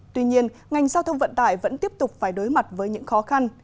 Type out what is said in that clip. tuy nhiên ngành giao thông vận tải vẫn tiếp tục phải đối mặt với những khó khăn